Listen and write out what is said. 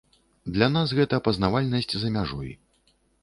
Для нас гэта пазнавальнасць за мяжой.